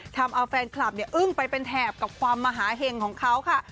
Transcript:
ทำเอาแฟนคลับเนี่ยอึ้งไปเป็นแถบกับความมหาเห็งของเขาค่ะ